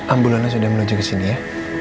ambulannya sudah menuju ke sini ya